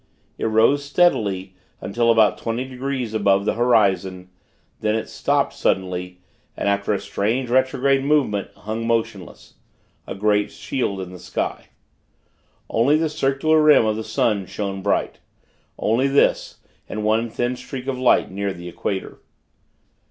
It rose steadily, until about twenty degrees above the horizon. Then, it stopped suddenly, and, after a strange retrograde movement, hung motionless a great shield in the sky. Only the circular rim of the sun showed bright only this, and one thin streak of light near the equator.